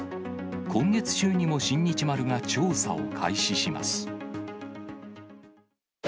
今月中にも、新日丸が調査を開始します。